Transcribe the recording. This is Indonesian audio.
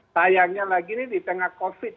sayangnya lagi ini di tengah covid